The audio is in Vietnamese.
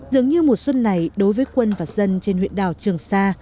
dường như mùa xuân này đối với quân và dân trên huyện đảo trường sa